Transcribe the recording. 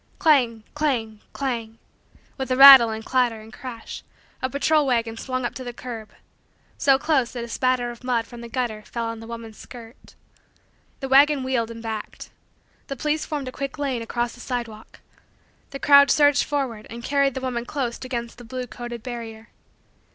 Clang, clang, clang, with a rattle and clatter and crash, a patrol wagon swung up to the curb so close that a spatter of mud from the gutter fell on the woman's skirt. The wagon wheeled and backed. The police formed a quick lane across the sidewalk. The crowd surged forward and carried the woman close against the blue coated barrier.